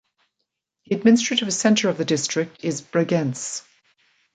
The administrative centre of the district is Bregenz.